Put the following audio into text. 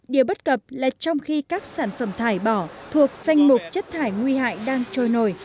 điều bất cập là trong khi các sản phẩm thải bỏ thuộc danh mục chất thải nguy hại đang trôi nổi